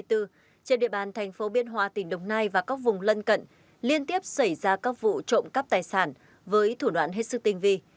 trên địa bàn thành phố biên hòa tỉnh đồng nai và các vùng lân cận liên tiếp xảy ra các vụ trộm cắp tài sản với thủ đoạn hết sức tinh vi